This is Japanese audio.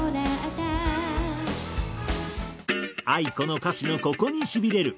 ａｉｋｏの歌詞のここにしびれる！